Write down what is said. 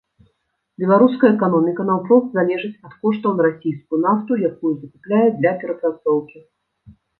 Беларуская эканоміка наўпрост залежыць ад коштаў на расійскую нафту, якую закупляе для перапрацоўкі.